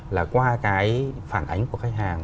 là qua cái phản ánh của khách hàng